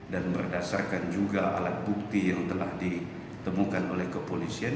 dan berdasarkan juga alat bukti yang telah ditemukan oleh kepolisian